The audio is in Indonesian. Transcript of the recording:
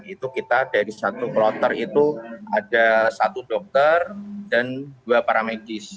itu kita dari satu kloter itu ada satu dokter dan dua paramedis